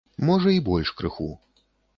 Можа і больш крыху.